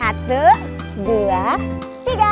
satu dua tiga